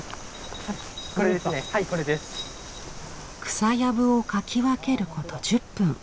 草やぶをかき分けること１０分。